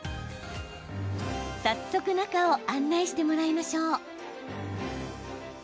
早速、中を案内してもらいましょう。